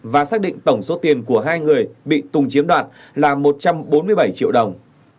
và xác định tổng số tiền của hai người bị tùng chiếm đoạt là một trăm bốn mươi bảy triệu đồng